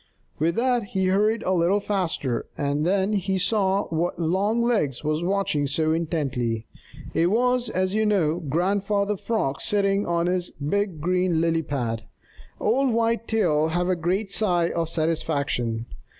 With that he hurried a little faster, and then he saw what Longlegs was watching so intently. It was, as you know, Grandfather Frog sitting on his big green lily pad. Old Whitetail gave a great sigh of satisfaction.